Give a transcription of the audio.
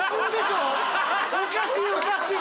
おかしいおかしい。